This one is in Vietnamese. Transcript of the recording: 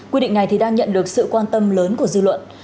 quy định này đang nhận được sự quan tâm lớn của dư luận